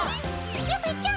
ゆめちゃん